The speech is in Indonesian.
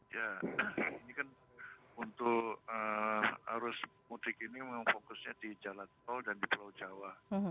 ya ini kan untuk arus mudik ini memang fokusnya di jalan tol dan di pulau jawa